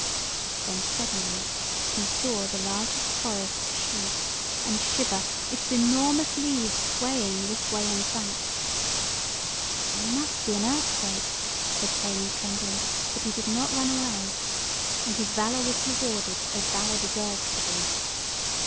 Then suddenly he saw the largest forest shake and shiver—its enormous leaves swaying this way and that. "It must be an earthquake," said Tony, trembling, but he did not run away. And his valour was rewarded as valour deserves to be.